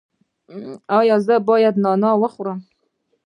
ایا زه باید نعناع وخورم؟